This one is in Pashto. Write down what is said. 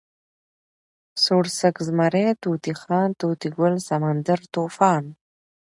سوړسک، زمری، طوطی خان، طوطي ګل، سمندر، طوفان